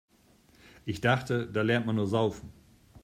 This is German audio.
Ich dachte, da lernt man nur Saufen.